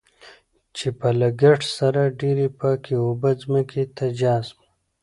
چې په لږ لګښت سره ډېرې پاکې اوبه ځمکې ته جذب.